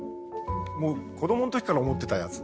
もう子どもの時から思ってたやつ。